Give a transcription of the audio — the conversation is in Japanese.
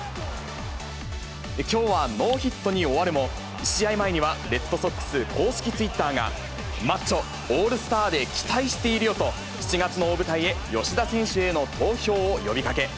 きょうはノーヒットに終わるも、試合前には、レッドソックス公式ツイッターが、マッチョ、オールスターで期待しているよと、７月の大舞台へ吉田選手への投票を呼びかけ。